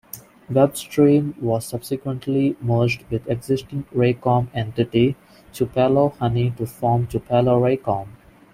WebStream was subsequently merged with existing Raycom entity Tupelo Honey to form Tupelo Raycom.